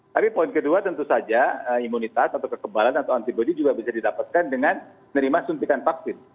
tapi poin kedua tentu saja imunitas atau kekebalan atau antibody juga bisa didapatkan dengan menerima suntikan vaksin